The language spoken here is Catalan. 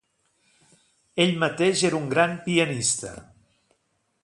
Ell mateix era un gran pianista.